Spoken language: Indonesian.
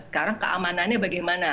sekarang keamanannya bagaimana